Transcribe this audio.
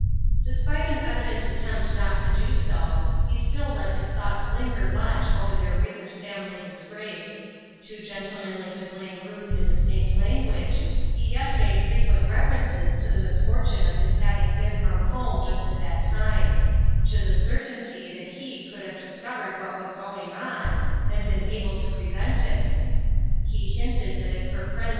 Despite an evident attempt not to do so, he still let his thoughts linger much over their recent family disgrace ; too gentlemanly to blame Ruth in distinct language, he yet made frequent refe r ences to the misfortune of his having been from home just at that time ; to the certainty that he could have discovered what was going on, and been able to prevent it ; he hinted that if her friends WAITING.